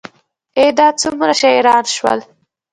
ای، دا څومره شاعران شول